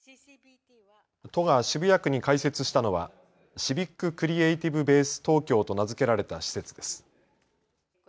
都が渋谷区に開設したのはシビック・クリエイティブ・ベース東京と名付けられた施設です。